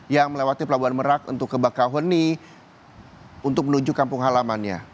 yang melewati pelabuhan merak untuk ke bakahuni untuk menuju kampung halamannya